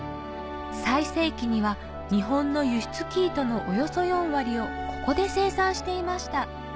最盛期には日本の輸出生糸のおよそ４割をここで生産していました